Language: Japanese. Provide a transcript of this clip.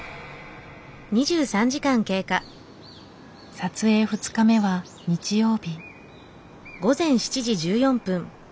撮影２日目は日曜日。